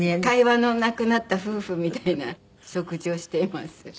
会話のなくなった夫婦みたいな食事をしています。